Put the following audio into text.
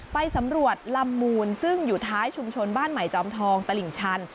ไปสำรวจลำมูลซึ่งอยู่ท้ายชุมชนบ้านใหม่จอมทองตลิ่งชัน